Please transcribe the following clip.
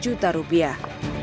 lima ratus juta rupiah